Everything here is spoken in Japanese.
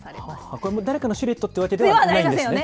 これも誰かのシルエットというわけではないんですね。